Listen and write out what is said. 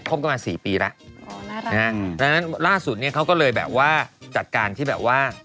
กันมาสี่ปีแล้วนะฮะดังนั้นล่าสุดเนี่ยเขาก็เลยแบบว่าจัดการที่แบบว่า